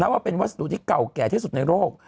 และเป็นวัสดุที่เก่าแก่แน่ในโลก